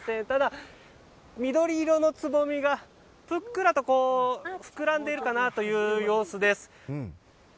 ただ緑色のつぼみがぷっくらと膨らんでいるかなという様子です。